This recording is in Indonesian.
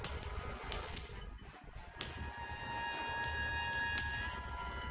aku sudah medications